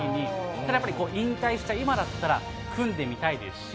ただやっぱり、引退した今だったら、組んでみたいですし。